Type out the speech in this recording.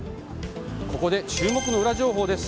ここで注目のウラ情報です。